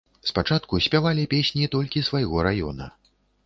Спачатку спявалі песні толькі свайго раёна.